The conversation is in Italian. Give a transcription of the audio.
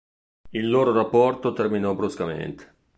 Il loro rapporto terminò bruscamente.